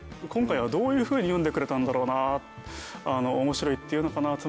今回はどういうふうに読んでくれたんだろうな面白いって言うのかな